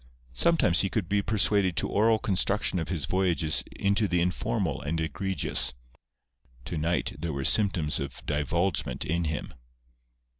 Sometimes he could be persuaded to oral construction of his voyages into the informal and egregious. To night there were symptoms of divulgement in him.